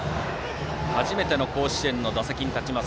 初めての甲子園の打席に立ちます